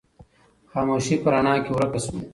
خاموشي په رڼا کې ورکه شوه.